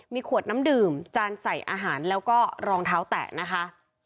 มีขวดน้ำดื่มจานใส่อาหารแล้วก็รองเท้าแตะนะคะ